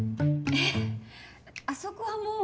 えっあそこはもう。